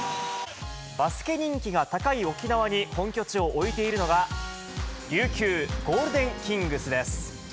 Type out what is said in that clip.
バスケ人気が高い沖縄に本拠地を置いているのが、琉球ゴールデンキングスです。